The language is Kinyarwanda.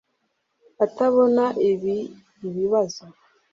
atabona ibi ibibazo